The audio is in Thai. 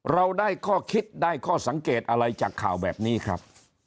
เราได้ข้อคิดได้ข้อสังเกตอะไรจากข่าวแบบนี้ครับ